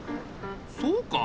そうか？